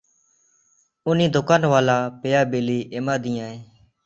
ᱩᱱᱤ ᱫᱚᱠᱟᱱ ᱣᱟᱞᱟ ᱯᱮᱭᱟ ᱵᱤᱞᱤ ᱮᱢᱟ ᱫᱤᱧᱟᱭ ᱾